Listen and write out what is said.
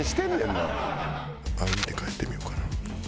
歩いて帰ってみようかな。